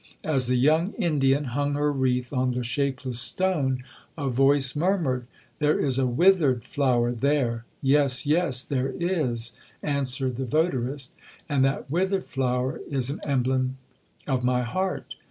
As the young Indian hung her wreath on the shapeless stone, a voice murmured, 'There is a withered flower there.'—'Yes—yes—there is,' answered the votarist, 'and that withered flower is an emblem of my heart.